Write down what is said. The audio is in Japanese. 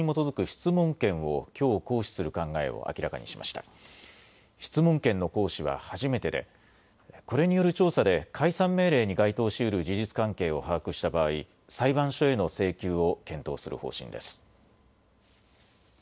質問権の行使は初めてでこれによる調査で解散命令に該当しうる事実関係を把握した場合、裁判所への請求を検討する方針です。